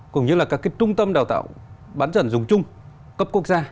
cũng như là các trung tâm đào tạo bán dẫn dùng chung cấp quốc gia